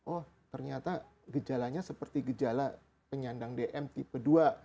oh ternyata gejalanya seperti gejala penyandang dm tipe dua